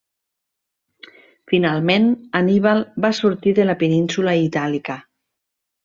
Finalment Hanníbal va sortir de la península Itàlica.